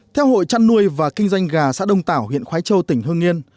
theo hội chăn nuôi và kinh doanh gà xã đông tảo huyện khói châu tỉnh hương yên